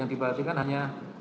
yang diperhatikan hanya